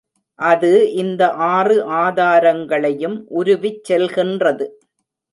அது இந்த ஆறு ஆதாரங்களையும் உருவிச் செல்கின்றது.